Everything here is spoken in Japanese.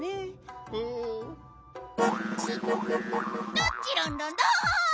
ドッチロンロンロン！